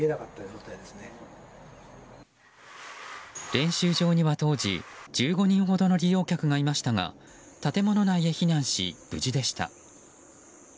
練習場には、当時１５人ほどの利用客がいましたが建物内へ避難し、無事でした。